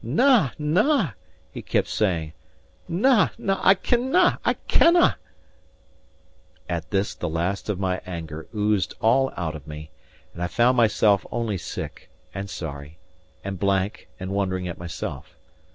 "Na, na," he kept saying, "na, na I cannae, I cannae." At this the last of my anger oozed all out of me; and I found myself only sick, and sorry, and blank, and wondering at myself.